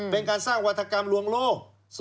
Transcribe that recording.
เป็นการสร้างวัฒกรรมลวงโลก